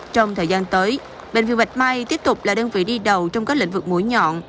trong thời gian tới bệnh viện bạch mai tiếp tục là đơn vị đi đầu trong các lĩnh vực mũi nhọn